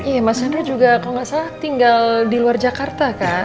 iya mas hendra juga kalau nggak salah tinggal di luar jakarta kan